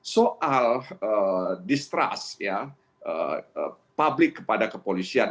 soal distrust publik kepada kepolisian